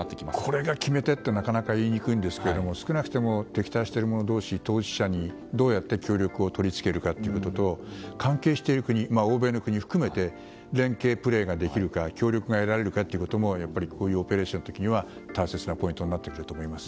これが決め手というのは言いにくいですが、敵対している当事者にどうやって協力を取り付けるかと関係している国欧米の国も含めて連係プレーができるか協力を得られるかがやっぱりこういうオペレーションの時には大切なポイントになってくると思います。